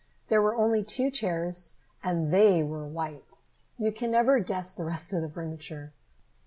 There were only two chairs, and they were white. You can never guess the rest of the furniture.